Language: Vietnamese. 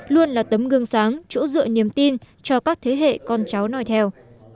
luôn là tấm gương sáng chỗ dựa niềm tin cho các thế hệ con cháu nói theo